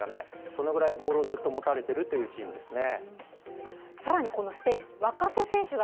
そのぐらいずっとボールを持たれているというチームですね。